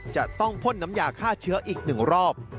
จะต้องพ่นน้ำยาฆ่าเชื้ออีก๑รอบ